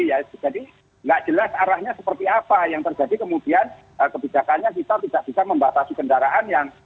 jadi tidak jelas arahnya seperti apa yang terjadi kemudian kebijakannya kita tidak bisa membatasi kendaraan